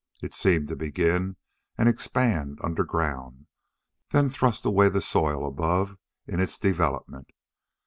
It seemed to begin and expand underground, then thrust away the soil above in its development.